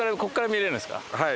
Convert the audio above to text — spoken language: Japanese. はい。